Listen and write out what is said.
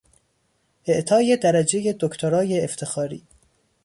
اعطای درجهی دکترای افتخاری